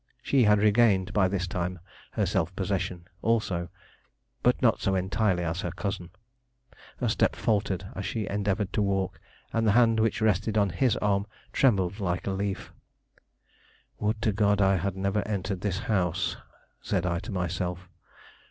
She had regained by this time her self possession, also, but not so entirely as her cousin. Her step faltered as she endeavored to walk, and the hand which rested on his arm trembled like a leaf. "Would to God I had never entered this house," said I to myself.